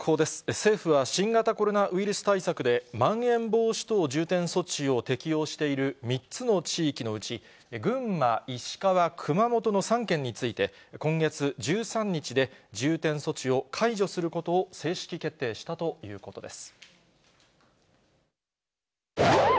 政府は新型コロナウイルス対策でまん延防止等重点措置を適用している３つの地域のうち、群馬、石川、熊本の３県について、こんげつ１３日で、重点措置を解除することを正式決定したということです。